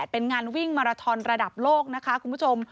เป็นงานวิ่งมาราทอนระดับโลกนะคะคุณผู้ชม